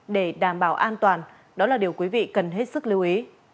để đảm bảo an toàn đó là điều quý vị cần hết sức lưu ý